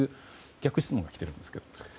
逆質問が来ているんですけど。